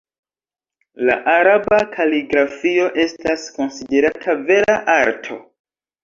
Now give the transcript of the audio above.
La araba kaligrafio estas konsiderata vera arto.